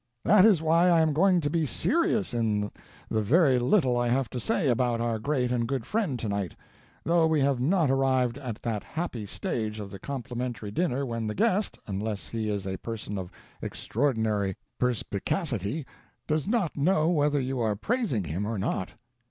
That is why I am going to be serious in the very little I have to say about our great and good friend tonight, though we have not arrived at that happy stage of a complimentary dinner when the guest, unless he is a person of extraordinary perspicacity does not know whether you are praising him or not.